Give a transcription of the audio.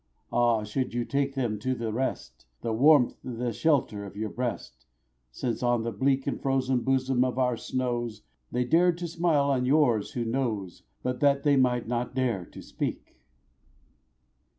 Ah, should you take them to the rest, The warmth, the shelter of your breast, Since on the bleak And frozen bosom of our snows They dared to smile, on yours who knows But that they might not dare to speak!